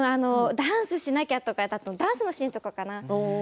ダンスしなきゃとかダンスのシーンの時かな？